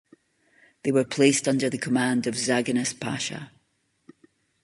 They were placed under the command of Zaganos Pasha.